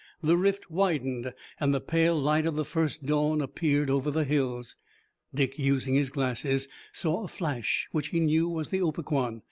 The rift widened, and the pale light of the first dawn appeared over the hills. Dick, using his glasses, saw a flash which he knew was the Opequan.